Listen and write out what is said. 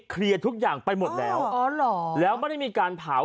เคลียร์ทุกอย่างไปหมดแล้วอ๋อเหรอแล้วไม่ได้มีการเผา